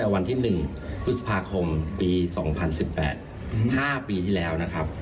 วันที่๑พฤษภาคมปี๒๐๑๘๕ปีที่แล้วนะครับ